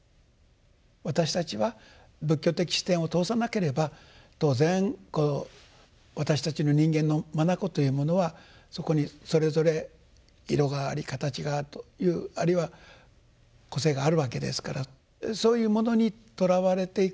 私たちは仏教的視点を通さなければ当然私たちの人間の眼というものはそこにそれぞれ色があり形があるというあるいは個性があるわけですからそういうものにとらわれていく。